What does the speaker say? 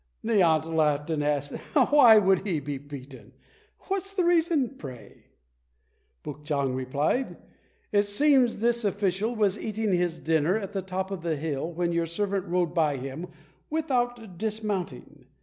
The aunt laughed, and asked, "Why should he be beaten; what's the reason, pray?" Puk chang replied, "It seems this official was eating his dinner at the top of the hill when your servant rode by him without dismounting.